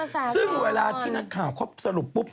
เพราะอย่างเวลาที่นักข่าวสรุปปุ๊บ